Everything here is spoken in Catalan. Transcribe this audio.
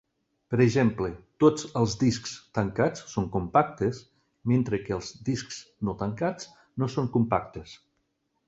Per exemple, tots els discs tancats són compactes, mentre que els discs no tancats no són compactes.